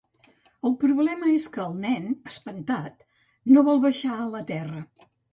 El problema és que el nen, espantat, no vol baixar a la Terra.